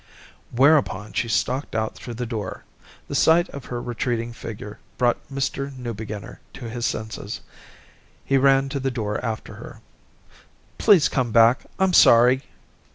Whereupon she stalked out through the door. The sight of her retreating figure brought Mr. Newbeginner to his senses. He ran to the door after her. "Please come back. I'm sorry."